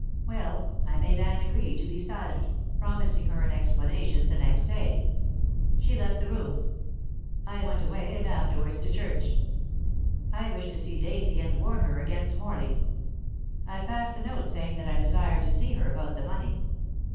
Well, I made Anne agree to be silent, promising her an explanation the next day. She left the room. I went away, and afterwards to church. I wished to see Daisy and warn her against Morley. I passed a note saying that I desired to see her about the money.